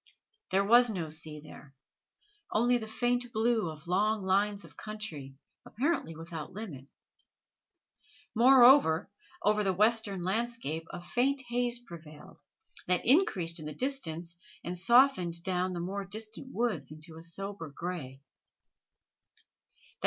There was no sea there only the faint blue of long lines of country, apparently without limit. Moreover, over the western landscape a faint haze prevailed, that increased in the distance and softened down the more distant woods into a sober gray.